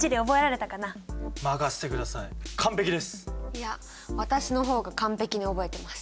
いや私の方が完璧に覚えてます！